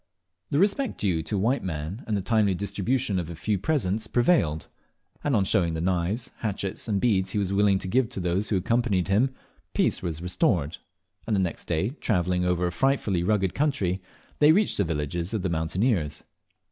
The respect due to a white man and the timely distribution of a few presents prevailed; and, on showing the knives, hatchets, and beads he was willing to give to those who accompanied him, peace was restored, and the next day, travelling over a frightfully rugged country, they reached the villages of the mountaineers.